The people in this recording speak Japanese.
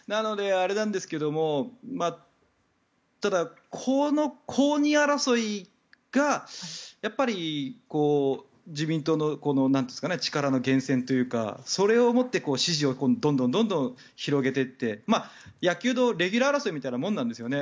ただ、この公認争いがやっぱり自民党の力の源泉というかそれをもって支持をどんどん広げていって野球のレギュラー争いみたいなものなんですよね。